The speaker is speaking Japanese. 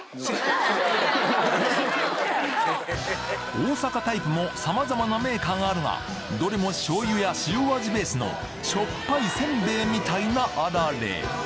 大阪タイプも様々なメーカーがあるがどれも醤油や塩味ベースの塩っぱい煎餅みたいなあられ